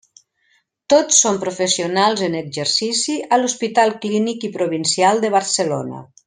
Tots són professionals en exercici a l'Hospital Clínic i Provincial de Barcelona.